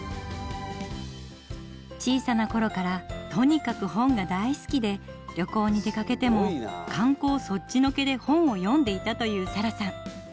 小さな頃からとにかく本が大好きで旅行に出かけても観光そっちのけで本を読んでいたというサラさん。